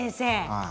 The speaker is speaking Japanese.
はい。